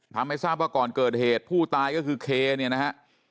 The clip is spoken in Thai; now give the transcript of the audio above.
ทำให้ทราบว่าก่อนเกิดเหตุผู้ตายก็คือเคเนี่ยนะฮะ